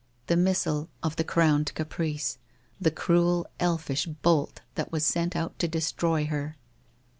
The missile of the Crowned Caprice, the cruel elfish bolt that was sent out to destroy her